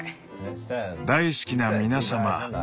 「大好きな皆様。